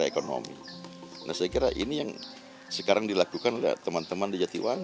bukan cuma berdiam dalam sejarah